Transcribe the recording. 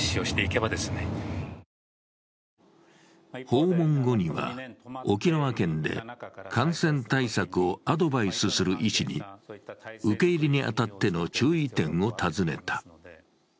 訪問後には、沖縄県で感染対策をアドバイスする医師に受け入れに当たっての注意点を尋ねた。